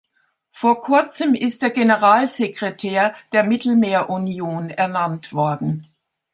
Vor kurzem ist der Generalsekretär der Mittelmeerunion ernannt worden.